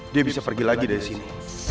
dia bisa pergi lagi dari sini